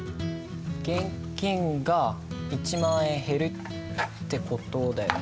現金が１万円減るって事だよね。